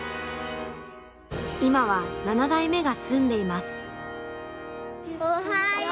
今は７代目が住んでいます。